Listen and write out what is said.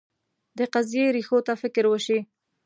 د قضیې ریښو ته فکر وشي.